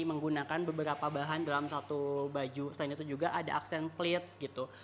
menggunakan beberapa bahan dalam satu baju selain itu juga ada aksen pleads gitu